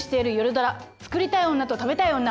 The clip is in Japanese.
ドラ「作りたい女と食べたい女」。